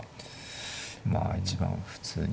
まあ一番普通に。